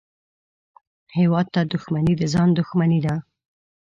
هېواد ته دښمني د ځان دښمني ده